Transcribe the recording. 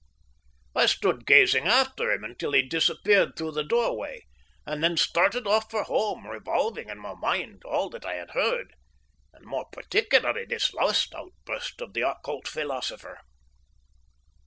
I stood gazing after him until he disappeared through the doorway, and then started off for home, revolving in my mind all that I had heard, and more particularly this last outburst of the occult philosopher.